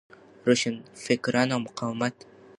روشنفکران او مقاومت